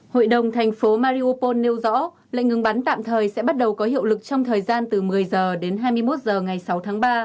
hội đồng thành phố mariopol nêu rõ lệnh ngừng bắn tạm thời sẽ bắt đầu có hiệu lực trong thời gian từ một mươi h đến hai mươi một h ngày sáu tháng ba